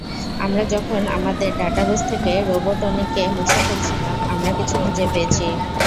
আমরা যখন আমাদের ডাটাবেস থেকে রোবটনিককে মুছে ফেলছিলাম, আমরা কিছু খুঁজে পেয়েছি।